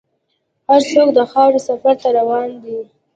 هر څوک د خاورې سفر ته روان دی.